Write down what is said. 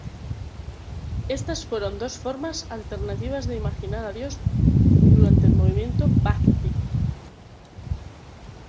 Estas fueron dos formas alternativas de imaginar a Dios durante el movimiento bhakti.